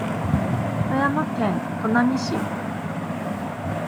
富山県砺波市